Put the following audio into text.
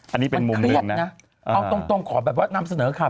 อันนี้เป็นมุมเรียกนะเอาตรงขอแบบว่านำเสนอข่าว